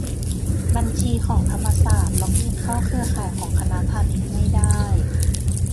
บัญชีของธรรมศาสตร์ล็อกอินเข้าเครือข่ายของคณะพาณิชย์ไม่ได้